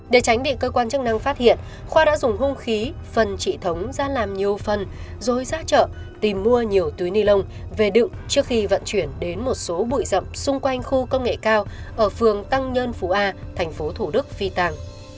để tránh bị cơ quan chức năng phát hiện khoa đã dùng hông khí phần chị thống ra làm nhiều phần rồi ra chợ tìm mua nhiều túi nilon về đựng trước khi vận chuyển đến một số bụi rậm xung quanh khu công nghệ cao ở phường tăng nhân phủ a thành phố thủ đức phi tàng